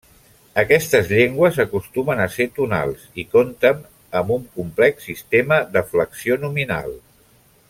Aquestes llengües acostumen a ser tonals i compten amb un complex sistema de flexió nominal.